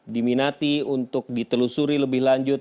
diminati untuk ditelusuri lebih lanjut